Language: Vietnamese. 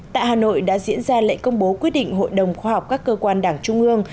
tại hà nội đã diễn ra lễ công bố quyết định hội đồng khoa học các cơ quan đảng trung ương